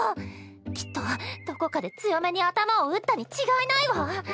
きっとどこかで強めに頭を打ったに違いないわ。